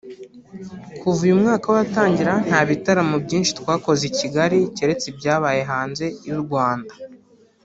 Kuva uyu mwaka watangira nta bitaramo byinshi twakoze i Kigali keretse ibyabaye hanze y’u Rwanda